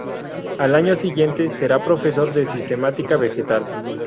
Al año siguiente, será profesor de Sistemática vegetal.